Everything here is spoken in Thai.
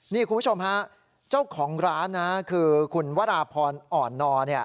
นี่คุณผู้ชมฮะเจ้าของร้านนะคือคุณวราพรอ่อนนอเนี่ย